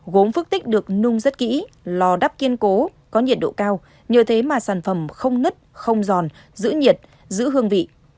gốm phước tích được nung rất kỹ lò đắp kiên cố có nhiệt độ cao nhờ thế mà sản phẩm không nứt không giòn giữ nhiệt giữ hương vị